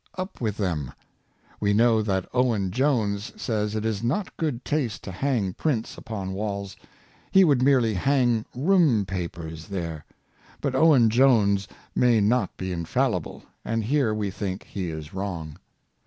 Up with them ! We know that Owen Jones says it is not good taste to hang prints upon walls ; 36 Art of Living. he would merely hang room papers there. But Owen Jones may not be infallible, and here we think he is wrong.